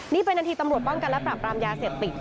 นี่เป็นนาทีตำรวจป้องกันและปรับปรามยาเสพติด